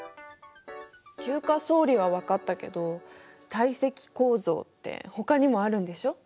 級化層理は分かったけど堆積構造ってほかにもあるんでしょ？